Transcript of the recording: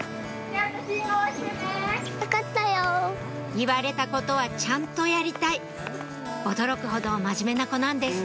言われたことはちゃんとやりたい驚くほど真面目な子なんです